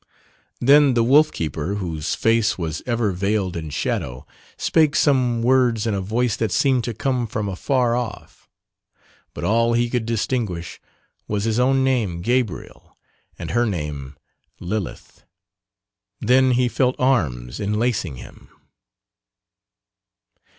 Then the wolf keeper whose face was ever veiled in shadow spake some words in a voice that seemed to come from afar off, but all he could distinguish was his own name Gabriel and her name Lilith. Then he felt arms enlacing him.